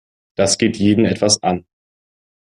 Das geht jeden etwas an.